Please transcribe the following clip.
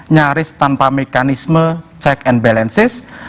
nyaris tanpa mekanisme check and balances